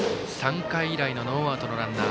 ３回以来のノーアウトのランナー。